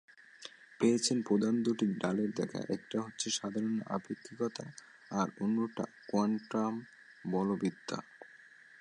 পেয়েছে প্রধান দুটি ডালের দেখা—একটা হচ্ছে সাধারণ আপেক্ষিকতা আর অন্যটা কোয়ান্টাম বলবিদ্যা।